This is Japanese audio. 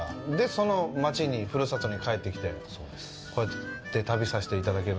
その町に、ふるさとに帰ってきてこうやって旅させていただける。